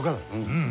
うん。